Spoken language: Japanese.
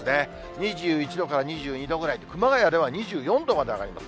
２１度から２２度ぐらい、熊谷では２４度まで上がります。